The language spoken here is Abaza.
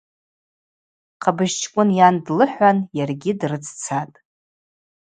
Хъабыжьчкӏвын йан длыхӏван йаргьи дрыццатӏ.